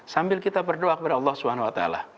sambil kita berdoa kepada allah swt